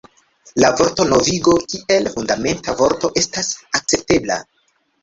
La vorto novigo kiel fundamenta vorto estas akceptebla.